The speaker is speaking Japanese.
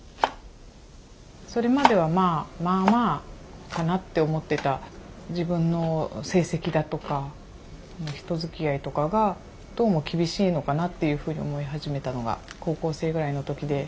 それまではまあまあかなって思ってた自分の成績だとか人づきあいとかがどうも厳しいのかなっていうふうに思い始めたのが高校生ぐらいの時で。